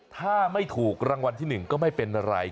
ถ้าไม่ถูกรางวัลที่๑ก็ไม่เป็นอะไร